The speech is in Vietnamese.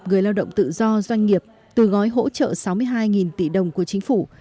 người lao động tự do doanh nghiệp từ gói hỗ trợ sáu mươi hai tỷ đồng của chính phủ